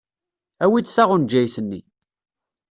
Awi-d taɣenjayt-nni.